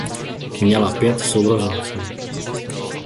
Měla pět sourozenců.